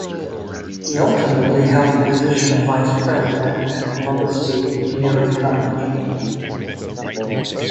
He ultimately held the position of Vice President at Columbus State Community College.